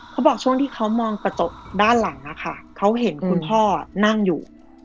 เขาบอกช่วงที่เขามองกระจกด้านหลังนะคะเขาเห็นคุณพ่อนั่งอยู่